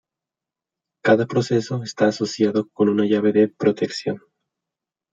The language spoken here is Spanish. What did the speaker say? Cada proceso está asociado con una llave de protección.